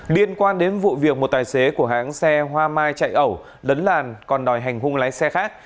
liên quan đến vụ việc một tài xế của hãng xe hoa mai chạy ẩu lấn làn còn đòi hành hung lái xe khác